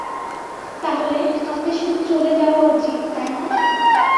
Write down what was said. তাহলে, আমাদের শুধু চলে যাওয়া উচিত, তাই না?